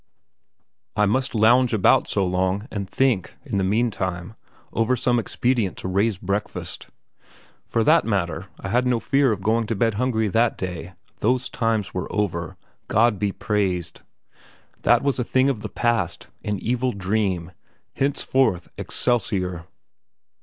I must lounge about so long, and think, in the meantime, over some expedient to raise breakfast. For that matter, I had no fear of going to bed hungry that day; those times were over, God be praised! That was a thing of the past, an evil dream. Henceforth, Excelsior!